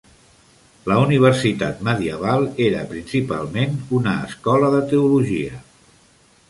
La universitat medieval era principalment una escola de teologia.